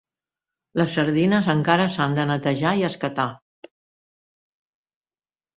Les sardines, encara s'han de netejar i escatar.